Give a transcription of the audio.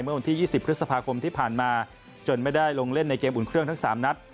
เมื่อวันที่๒๐พฤษภาคมที่ผ่านมาจนไม่ได้ลงเล่นในเกมอุ่นเครื่องทั้ง๓นัด